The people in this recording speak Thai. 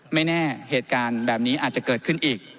ไม่แน่เหตุการณ์แบบนี้อาจจะเกิดขึ้นอีก